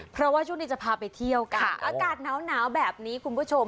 เพราะว่าช่วงนี้จะพาไปเที่ยวกันอากาศหนาวแบบนี้คุณผู้ชม